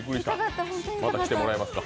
また来てもらえますか？